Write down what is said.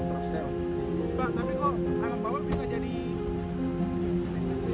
tapi yang biasa ini ada di sini